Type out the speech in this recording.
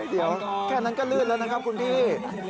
เดี๋ยวแค่นั้นก็ลื่นแล้วนะครับคุณพี่